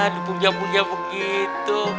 di puncak puncak begitu